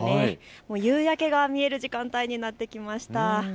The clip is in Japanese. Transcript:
夕焼けが見える時間帯になってきました。